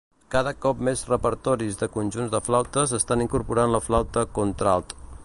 Cada cop més repertoris de conjunts de flautes estan incorporant la flauta contralt.